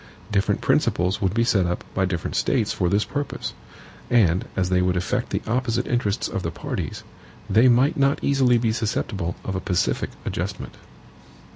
Different principles would be set up by different States for this purpose; and as they would affect the opposite interests of the parties, they might not easily be susceptible of a pacific adjustment.